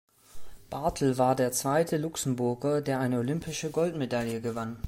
Barthel war der zweite Luxemburger, der eine olympische Goldmedaille gewann.